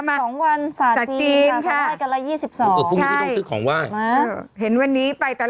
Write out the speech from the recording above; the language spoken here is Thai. อันนั้นหัวกันไป